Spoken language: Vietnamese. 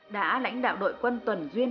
đã lãnh đạo đội quân tuần duyên